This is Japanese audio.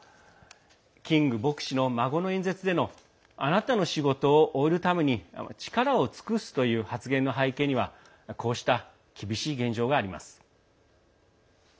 キング牧師の孫の演説でのあなたの仕事を終えるために力を尽くすという発言の背景にはこうした厳しい現状があります。